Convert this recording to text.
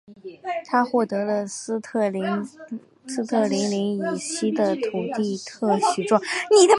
他获得了斯特林岭以西的土地特许状。